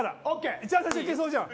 一番最初、いけそうじゃん。